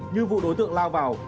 như vụ đối tượng lao vào